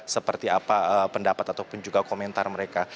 seperti apa pendapat ataupun juga komentar mereka